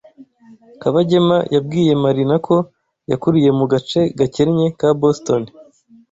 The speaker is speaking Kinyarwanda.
Kabagema yabwiye Marina ko yakuriye mu gace gakennye ka Boston.